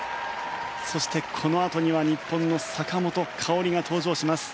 そしてこのあとには日本の坂本花織が登場します。